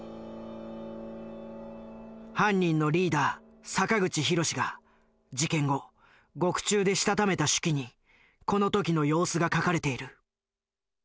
犯人のリーダー坂口弘が事件後獄中でしたためた手記にこの時の様子が書かれている。